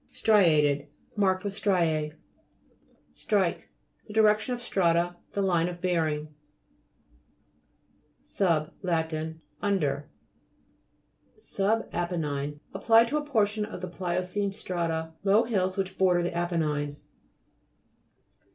STRIATED Marked with strise. STRIKE The direction of strata ; the line of bearing (p. 185). SUB Lat. Under. SUBAPENNINE Applied to a portion of the pliocene strata. Low hills which border the Apennines.